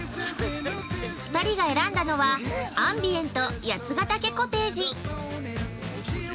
２人が選んだのは「アンビエント八ヶ岳コテージ」。